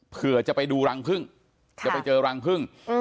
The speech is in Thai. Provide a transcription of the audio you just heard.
เพื่อจะไปดูรังพึ่งจะไปเจอรังพึ่ง